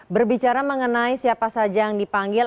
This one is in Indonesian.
berbicara mengenai siapa saja yang dipanggil